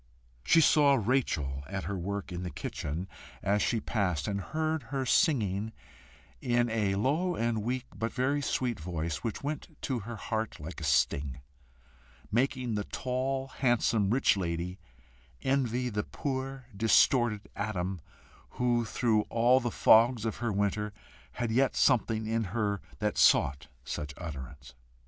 She saw Rachel at her work in the kitchen as she passed, and heard her singing in a low and weak but very sweet voice, which went to her heart like a sting, making the tall, handsome, rich lady envy the poor distorted atom who, through all the fogs of her winter, had yet something in her that sought such utterance.